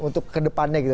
untuk kedepannya gitu